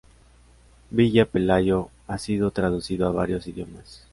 Villa Pelayo ha sido traducido a varios idiomas.